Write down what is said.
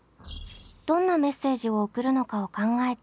どんなメッセージを送るのかを考えて下書きをします。